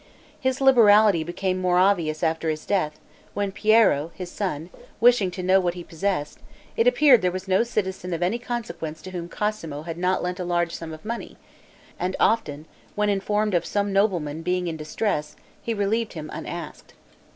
His liberality became more obvious after his death, when Piero, his son, wishing to know what he possessed, it appeared there was no citizen of any consequence to whom Cosmo had not lent a large sum of money; and often, when informed of some nobleman being in distress, he relieved him unasked.